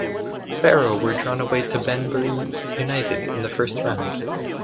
Barrow were drawn away to Banbury United in the first round.